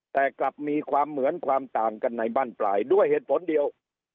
แต่กลับมีความเหมือนความต่างกันในบ้านปลายด้วยเหตุผลเดียว